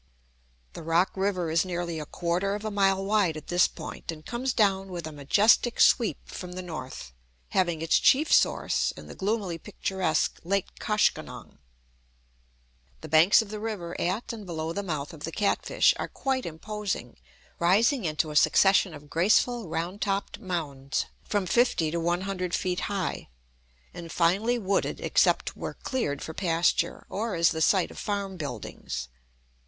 The Rock River is nearly a quarter of a mile wide at this point, and comes down with a majestic sweep from the north, having its chief source in the gloomily picturesque Lake Koshkonong. The banks of the river at and below the mouth of the Catfish, are quite imposing, rising into a succession of graceful, round topped mounds, from fifty to one hundred feet high, and finely wooded except where cleared for pasture or as the site of farm buildings.